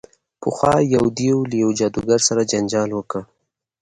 پخوا یو دیو له یوه جادوګر سره جنجال وکړ.